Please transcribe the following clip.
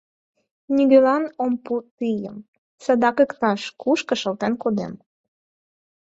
Нигӧлан ом пу тыйым, садак иктаж-кушко шылтен кодем.